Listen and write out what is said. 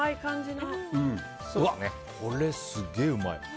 これ、すげえうまい。